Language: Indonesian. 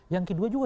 yang kedua juga